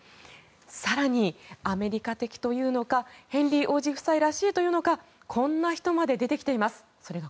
更にアメリカ的というのかヘンリー王子夫妻らしいというのかこんな人まで出てきています。